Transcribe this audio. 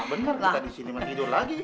bener kita di cinema tidur lagi